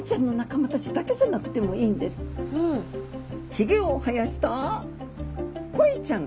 ひげを生やしたコイちゃん。